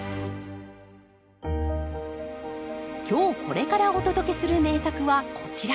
今日これからお届けする名作はこちら。